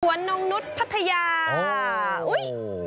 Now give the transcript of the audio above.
สวนโน้งนุฏปัทยา